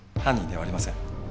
犯人ではありません。